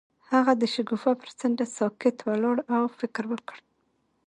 هغه د شګوفه پر څنډه ساکت ولاړ او فکر وکړ.